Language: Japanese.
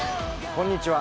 こんにちは。